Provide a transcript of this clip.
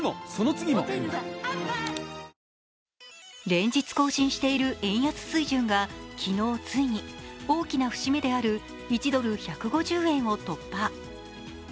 連日更新している円安水準が昨日ついに大きな節目である１ドル＝１５０円を突破。